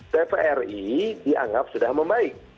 dpr ri dianggap sudah membaik